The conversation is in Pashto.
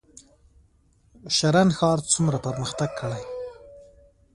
شرن ښار څومره پرمختګ کړی؟